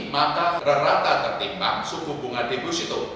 maka rata tertimbang suku bunga deposito